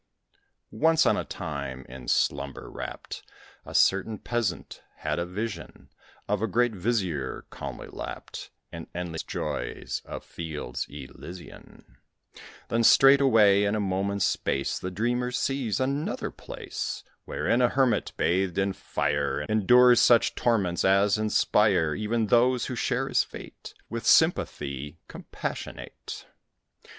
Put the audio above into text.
Once on a time, in slumber wrapt, A certain peasant had a vision Of a great Vizier, calmly lapt In endless joys of fields Elysian; Then straightway in a moment's space The dreamer sees another place, Wherein a Hermit bathed in fire Endures such torments as inspire Even those who share his fate With sympathy compassionate.